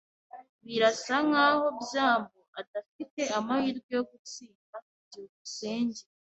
Birasa nkaho byambo adafite amahirwe yo gutsinda. byukusenge